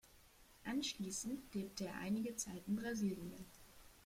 Anschließend lebte er einige Zeit in Brasilien.